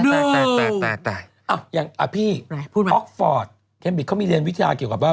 ได้อ้าวอ้ะอย่างอ่าพี่หลายพูดมาอ๊กฟอสเคมมิทเขามีเรียนวิทยาเกี่ยวกับว่า